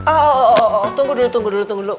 oh tunggu dulu tunggu dulu